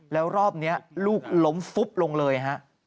แล้วรอบนี้ลูกล้มฟุบลงเลยฮะ